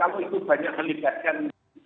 dalam kamu itu banyak melibatkan